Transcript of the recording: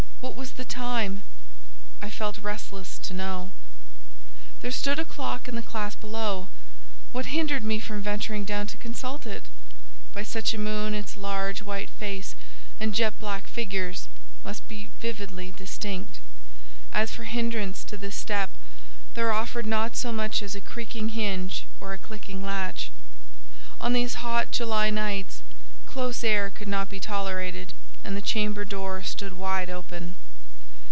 What was the time? I felt restless to know. There stood a clock in the classe below: what hindered me from venturing down to consult it? By such a moon, its large white face and jet black figures must be vividly distinct. As for hindrance to this step, there offered not so much as a creaking hinge or a clicking latch. On these hot July nights, close air could not be tolerated, and the chamber door stood wide open.